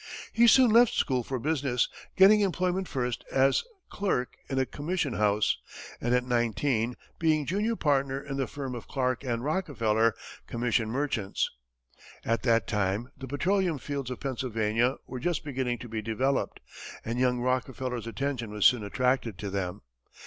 He soon left school for business, getting employment first as clerk in a commission house, and at nineteen being junior partner in the firm of Clark & Rockefeller, commission merchants. At that time the petroleum fields of Pennsylvania were just beginning to be developed, and young Rockefeller's attention was soon attracted to them.